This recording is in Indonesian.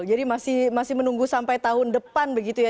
jadi masih menunggu sampai tahun depan begitu ya